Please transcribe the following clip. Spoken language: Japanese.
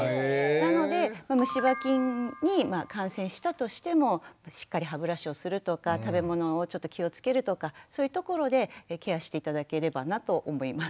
なのでむし歯菌に感染したとしてもしっかり歯ブラシをするとか食べ物をちょっと気をつけるとかそういうところでケアして頂ければなと思います。